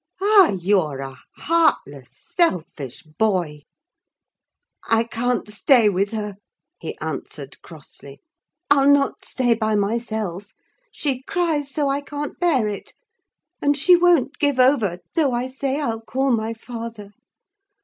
Ah! you're a heartless, selfish boy!" "I can't stay with her," he answered crossly. "I'll not stay by myself. She cries so I can't bear it. And she won't give over, though I say I'll call my father.